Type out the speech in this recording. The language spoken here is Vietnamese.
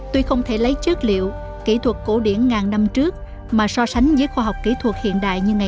tuy không thể lấy chất liệu kỹ thuật cổ điển ngàn năm trước mà so sánh với khoa học kỹ thuật hiện đại như ngày